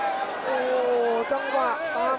ส่วนหน้านั้นอยู่ที่เลด้านะครับ